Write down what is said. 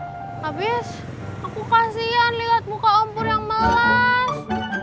habis aku kasian lihat muka ompur yang melas